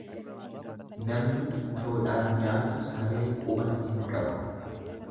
Namni ittoodhaan nyaatu saree quba hin qabu.